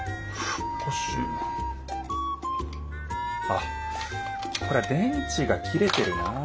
あっこれ電池が切れてるなあ。